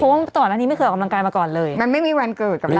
เพราะว่าก่อนอันนี้ไม่เคยออกกำลังกายมาก่อนเลยมันไม่มีวันเกิดกับเรา